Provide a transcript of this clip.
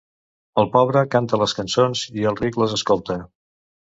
El pobre canta les cançons i el ric les escolta.